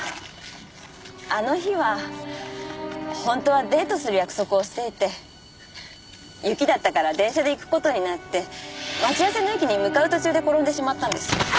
あの日は本当はデートする約束をしていて雪だったから電車で行く事になって待ち合わせの駅に向かう途中で転んでしまったんです。